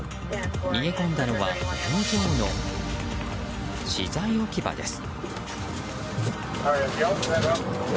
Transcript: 逃げ込んだのは工場の資材置き場です。